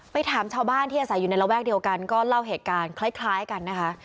ถามชาวบ้านที่อาศัยอยู่ในระแวกเดียวกันก็เล่าเหตุการณ์คล้ายกันนะคะ